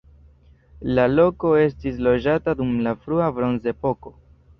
La loko estis loĝata dum la frua bronzepoko.